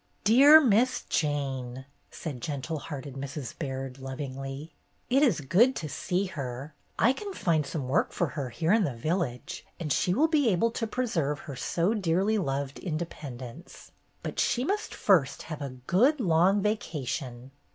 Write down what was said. "Dear Miss Jane!" said gentle hearted Mrs. Baird, lovingly. "It is good to see her. I can find some work for her here in the village, and she will be able to preserve her so dearly loved independence. But she must first have a good long vacation."